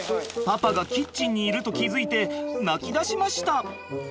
パパがキッチンにいると気付いて泣きだしました。